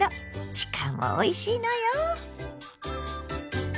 しかもおいしいのよ！